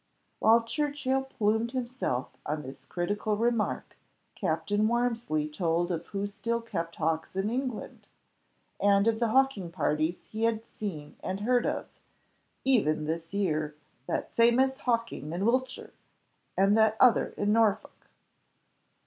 While Churchill plumed himself on this critical remark Captain Warmsley told of who still kept hawks in England, and of the hawking parties he had seen and heard of "even this year, that famous hawking in Wiltshire, and that other in Norfolk."